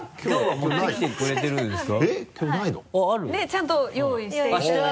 ちゃんと用意していただいて。